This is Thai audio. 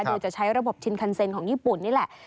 โดยจะใช้ระบบชินคันเซ็นของญี่ปุ่นนี่แหละ